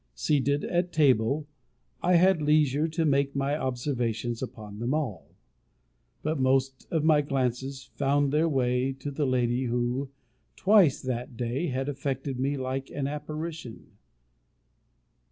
Seated at table, I had leisure to make my observations upon them all; but most of my glances found their way to the lady who, twice that day, had affected me like an apparition.